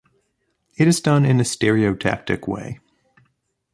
It is done in a stereotactic way.